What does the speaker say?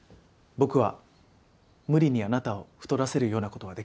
僕は無理にあなたを太らせるような事はできません。